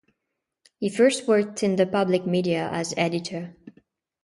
He first worked in the public media as editor.